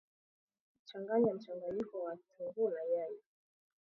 changanya mchanganyiko wa kitunguu na nyanya